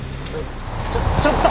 ちょっちょっと！